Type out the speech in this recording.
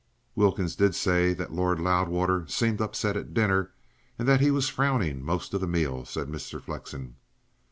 "Wilkins did say that Lord Loudwater seemed upset at dinner, and that he was frowning most of the meal," said Mr. Flexen.